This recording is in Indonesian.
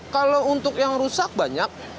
kalau untuk yang rusak banyak